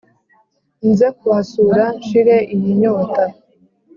nze kuhasura nshire iyi nyota